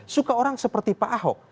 suka orang seperti pak ahok